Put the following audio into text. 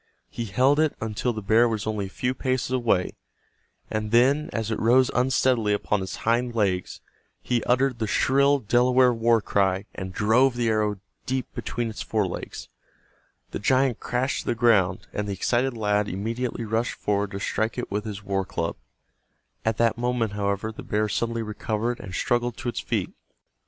He held it until the bear was only a few paces away, and then, as it rose unsteadily upon its hind legs, he uttered the shrill Delaware war cry and drove the arrow deep between its fore legs. The giant crashed to the ground, and the excited lad immediately rushed forward to strike it with his war club. At that moment, however, the bear suddenly recovered and struggled to its feet.